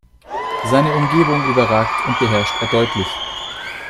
Seine Umgebung überragt und beherrscht er deutlich.